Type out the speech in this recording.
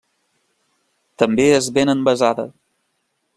També es ven envasada.